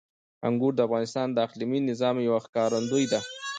انګور د افغانستان د اقلیمي نظام یوه ښکارندوی ده.